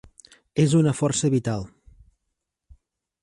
És una força vital.